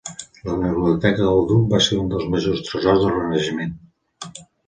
La biblioteca del duc va ser un dels majors tresors del Renaixement.